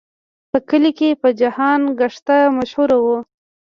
په کلي کې په جهان ګشته مشهور و.